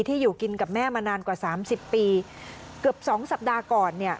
อยู่กินกับแม่มานานกว่าสามสิบปีเกือบสองสัปดาห์ก่อนเนี่ย